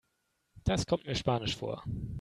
Das kommt mir spanisch vor.